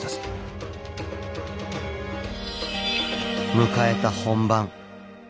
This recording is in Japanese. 迎えた本番。